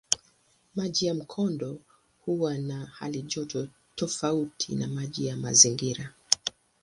Maji ya mkondo huwa na halijoto tofauti na maji ya mazingira.